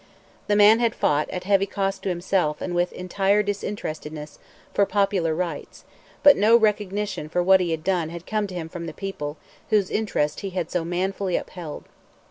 The man had fought, at heavy cost to himself and with entire disinterestedness, for popular rights; but no recognition for what he had done had come to him from the people, whose interest he had so manfully upheld.